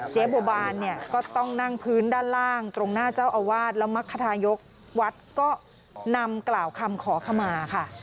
เจ๊บัวบานเนี่ยก็ต้องนั่งพื้นด้านล่างตรงหน้าเจ้าอาวาสแล้วมรรคทายกวัดก็นำกล่าวคำขอขมาค่ะ